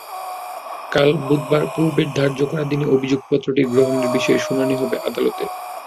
কাল বুধবার পূর্বের ধার্য করা দিনে অভিযোগপত্রটি গ্রহণের বিষয়ে শুনানি হবে আদালতে।